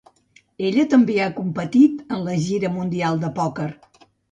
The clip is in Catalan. Ella també ha competit en la Gira mundial de pòquer.